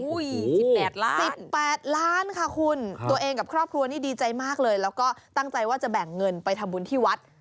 ๑๘ล้าน๑๘ล้านค่ะคุณตัวเองกับครอบครัวนี่ดีใจมากเลยแล้วก็ตั้งใจว่าจะแบ่งเงินไปทำบุญที่วัด